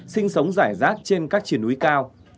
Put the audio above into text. sinh sống giải rác trên các triển núi cao